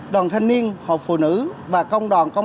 đoàn thanh niên họp phụ nữ và công đoàn học sinh